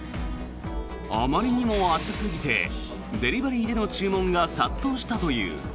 あまりにも暑すぎてデリバリーでの注文が殺到したという。